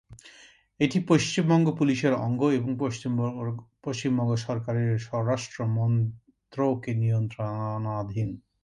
এটি পশ্চিমবঙ্গ পুলিশের অঙ্গ এবং পশ্চিমবঙ্গ সরকারের স্বরাষ্ট্র মন্ত্রকের নিয়ন্ত্রণাধীন।